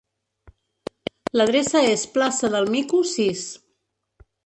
L'adreça és Plaça del Mico, sis.